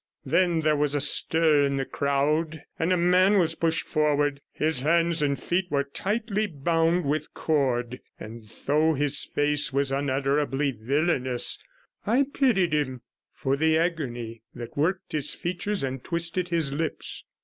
Then there was a stir in the crowd, and a man was pushed forward. His hands and feet were tightly bound with cord; and though his face was unutterably villainous, I pitied him for the agony that worked his features and twisted his lips.